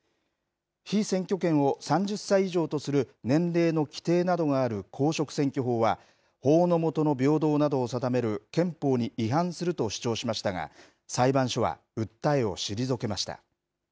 被選挙権を３０歳以上とする年齢の規定などがある公職選挙法は、法の下の平等などを定める憲法に違反すると主張しましたが、裁判所は訴えを退けました。